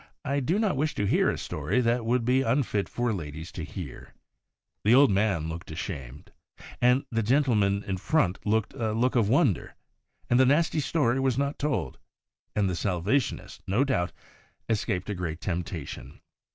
I do not wish to hear a story that w'ould be unfit for ladies to hear.' The old man looked ashamed, the gentleman in front looked a look of wonder, and the nasty story was not told, and the Salvationist, no doubt, escaped a great temptation.